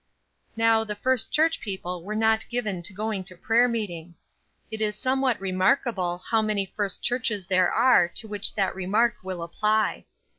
Now the First Church people were not given to going to prayer meeting. It is somewhat remarkable how many First Churches there are to which that remark will apply.